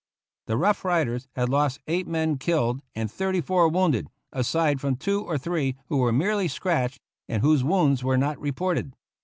The Rough Riders had lost eight men killed GENERAL YOUNG'S FIGHT and thirty four wounded, aside from two or three who were merely scratched and whose wounds were not reported.